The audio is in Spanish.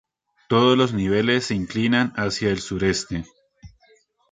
Todos los niveles se inclinan hacia el sureste.